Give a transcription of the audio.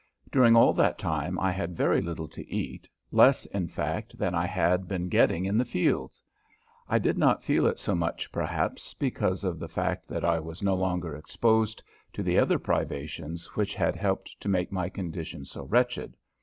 During all that time I had very little to eat less, in fact, than I had been getting in the fields. I did not feel it so much, perhaps, because of the fact that I was no longer exposed to the other privations which had helped to make my condition so wretched.